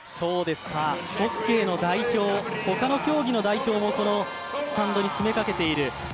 ホッケーの代表、他の競技の代表も詰めかけている。